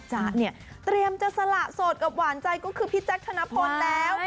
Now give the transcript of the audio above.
จ๊ะเนี่ยเตรียมจะสละโสดกับหวานใจก็คือพี่แจ๊คธนพลแล้ว